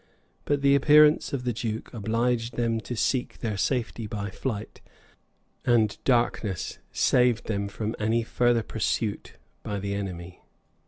But the appearance of the duke obliged them to seek their safety by flight; and darkness saved them from any further pursuit by the enemy.